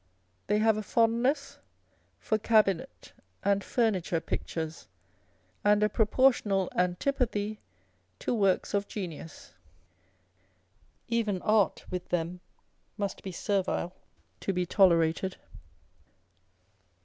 They have a fondness for cabinet and furniture pictures, and a proportional antipathy to works of genius. Even art with them must be servile, to be tolerated.